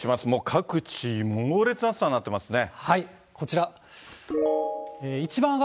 各地、猛烈な暑さになってますね。